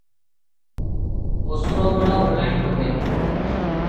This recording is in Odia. ଅସୁରଗଡ ଗଲାଣି ବୋଧେ ।